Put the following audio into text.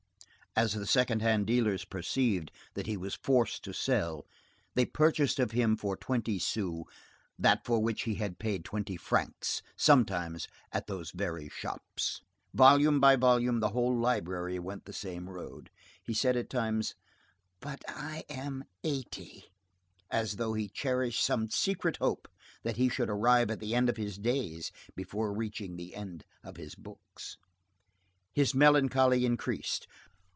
As the second hand dealers perceived that he was forced to sell, they purchased of him for twenty sous that for which he had paid twenty francs, sometimes at those very shops. Volume by volume, the whole library went the same road. He said at times: "But I am eighty;" as though he cherished some secret hope that he should arrive at the end of his days before reaching the end of his books. His melancholy increased.